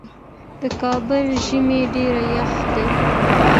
د کابل ژمی ډیر یخ دی